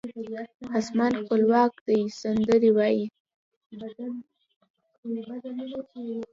اسمان خپلواک دی سندرې وایې